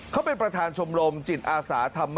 เขาเป็นประธานชมรมจิตอาสาธรรม